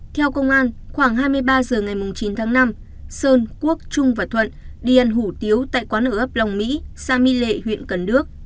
theo công an khoảng hai mươi ba h ngày chín tháng năm sơn quốc trung và thuận đi ăn hủ tiếu tại quán ở ấp long mỹ xã my lệ huyện cần đước